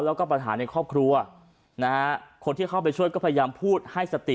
แล้วก็ปัญหาในครอบครัวนะฮะคนที่เข้าไปช่วยก็พยายามพูดให้สติ